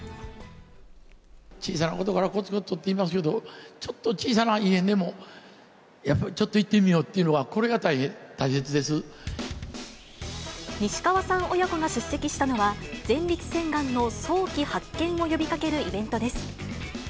小さなことからこつこつとって言いますけど、ちょっと小さな異変でもやっぱりちょっと行ってみようというのが、西川さん親子が出席したのは、前立腺がんの早期発見を呼びかけるイベントです。